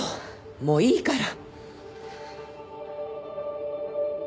もういいから。